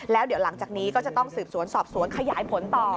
แล้วเดี๋ยวหลังจากนี้ก็จะต้องสืบสวนสอบสวนขยายผลต่อ